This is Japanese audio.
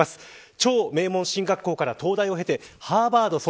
超名門進学校から東大を経てハーバード卒。